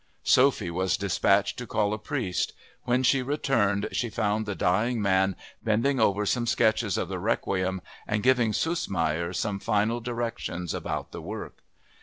Sophie was dispatched to call a priest. When she returned she found the dying man bending over some sketches of the Requiem and giving Süssmayr some final directions about the work.